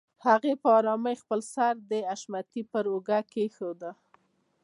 هغې په آرامۍ خپل سر د حشمتي پر اوږه کېښوده.